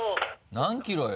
何キロよ？